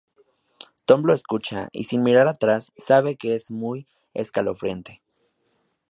Tom lo escucha, y sin mirar atrás, sabe que es muy escalofriante.